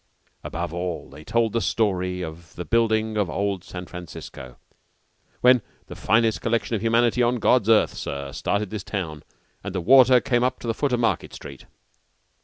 Above all, they told the story of the building of old San Francisco, when the "finest collection of humanity on God's earth, sir, started this town, and the water came up to the foot of Market Street."